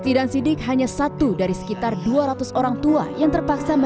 di dan sidik hanya satu dari sekitar dua ratus orang tua yang terpaksa